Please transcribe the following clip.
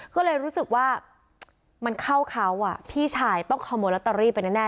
ก็เลยรู้สึกว่ามันเข้าเขาอ่ะพี่ชายต้องเข้าโมเตอรี่ไปแน่เลย